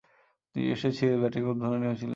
তিন টেস্টের সিরিজে ব্যাটিং উদ্বোধনে নেমেছিলেন তিন।